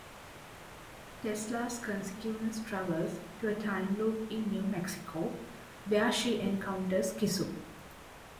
Tesla's consciousness travels to a time loop in New Mexico where she encounters Kissoon.